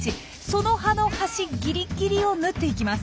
その葉の端ギリギリをぬっていきます。